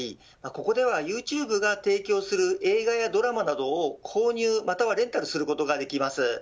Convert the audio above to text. ここではユーチューブが提供する映画やドラマなどを購入、またはレンタルすることができます。